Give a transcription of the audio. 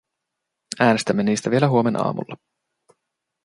Äänestämme niistä vielä huomenaamulla.